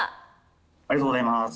ありがとうございます。